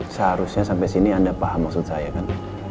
seharusnya sampai sini anda paham maksud saya kan